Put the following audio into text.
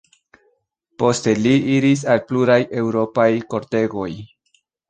Poste li iris al pluraj eŭropaj kortegoj.